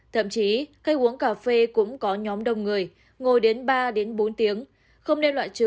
thậm chí khách uống cà phê cũng có nhóm đông người ngồi đến ba bốn tiếng